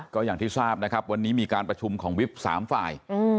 ก็อย่างที่ทราบนะครับวันนี้มีการประชุมของวิบ๓ฝ่าย